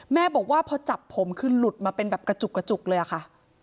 แม่บอกว่าพอจับผมคือหลุดมาเป็นแบบกระจุกกระจุกเลยอะค่ะ